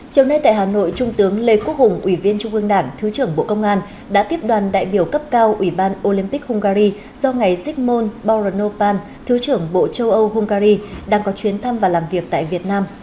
chiều nay tại hà nội trung tướng lê quốc hùng ủy viên trung ương đảng thứ trưởng bộ công an đã tiếp đoàn đại biểu cấp cao ủy ban olympic hungary do ngày zygmunt boronopan thứ trưởng bộ châu âu hungary đang có chuyến thăm và làm việc tại việt nam